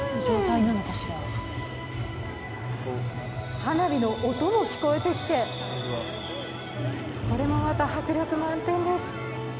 花火の音も聞こえてきて、それもまた迫力満点です。